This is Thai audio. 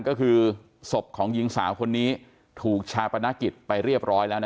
ก็คือศพของหญิงสาวคนนี้ถูกชาปนกิจไปเรียบร้อยแล้ว